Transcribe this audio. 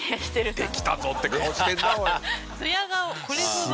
「できたぞ！」って顔してるなおい。